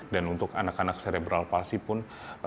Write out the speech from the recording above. dan untuk anak anak serebral palsi pun